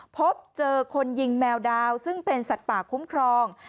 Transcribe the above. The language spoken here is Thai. พบเจอคนยิงแมวดาวซึ่งเป็นสัตว์ป่าคุ้มครอง